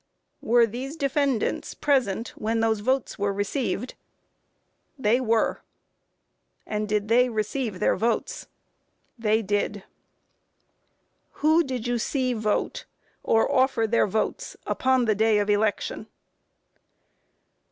Q. Were these defendants present when their votes were received? A. They were. Q. And did they receive their votes? A. They did. Q. Who did you see vote, or offer their votes upon the day of election?